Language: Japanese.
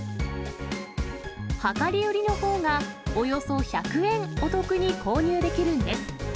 量り売りのほうがおよそ１００円お得に購入できるんです。